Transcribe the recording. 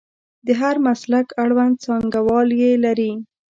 د هر مسلک اړوند څانګوال یې لري.